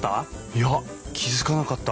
いや気付かなかった。